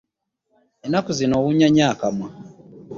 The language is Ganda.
Ennaku zino owunya nnyo akamwa.